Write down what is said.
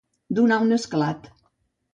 Donar un esclat.